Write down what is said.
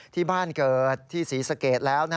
ที่บ้านเกิดที่ศรีสะเกดแล้ว